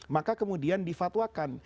maka kemudian difatwakan